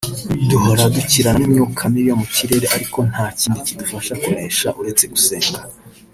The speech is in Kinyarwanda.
duhora dukirana n’imyuka mibi yo mukirere ariko nta kindi kidufasha kunesha uretse gusenga